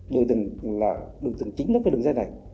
đối tượng chính là cái đường dây này